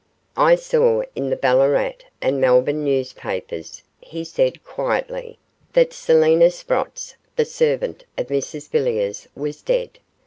'I saw in the Ballarat and Melbourne newspapers,' he said, quietly, 'that Selina Sprotts, the servant of Mrs Villiers, was dead.